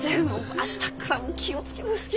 明日っからは気を付けますき！